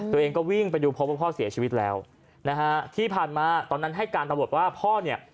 ตัวเองก็วิ่งไปดูพบว่าพ่อเสียชีวิตแล้วนะฮะที่ผ่านมาตอนนั้นให้การตำรวจว่าพ่อเนี่ย